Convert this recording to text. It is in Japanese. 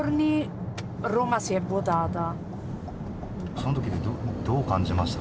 その時ってどう感じました？